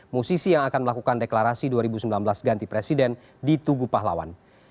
musisi yang akan melakukan deklarasi dua ribu sembilan belas ganti presiden di tugu pahlawan